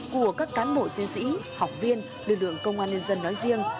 của các cán bộ chiến sĩ học viên lực lượng công an nhân dân nói riêng